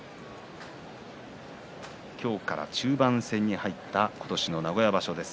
今日から中盤戦に入った今年の名古屋場所です。